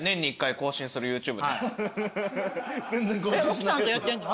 奥さんとやってんの？